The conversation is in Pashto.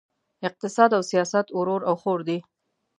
اقتصاد او سیاست ورور او خور دي!